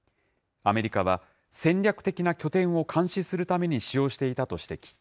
アメリカは、戦略的な拠点を監視するために使用していたと指摘。